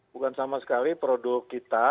bukan sama sekali produk kita